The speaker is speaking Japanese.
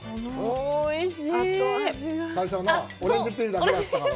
おいしい！